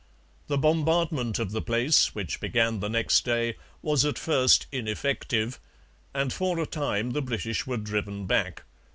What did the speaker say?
The bombardment of the place, which began the next day, was at first ineffective; and for a time the British were driven back.